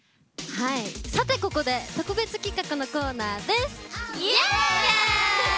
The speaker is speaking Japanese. ここで特別企画のコーナーです。